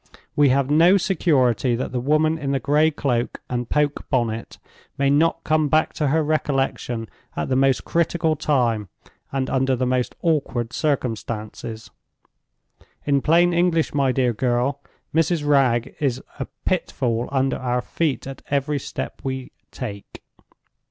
We have no security that the woman in the gray cloak and poke bonnet may not come back to her recollection at the most critical time, and under the most awkward circumstances. In plain English, my dear girl, Mrs. Wragge is a pitfall under our feet at every step we take."